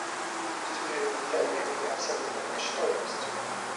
Суверэнітэт для мяне абсалютная каштоўнасць.